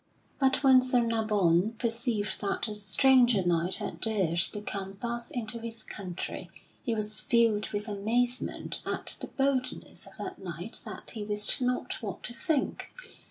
But when Sir Nabon perceived that a stranger knight had dared to come thus into his country, he was filled with amazement at the boldness of that knight that he wist not what to think.